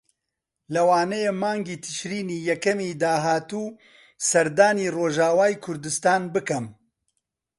لەوانەیە مانگی تشرینی یەکەمی داهاتوو سەردانی ڕۆژاوای کوردستان بکەم.